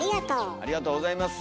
ありがとうございます。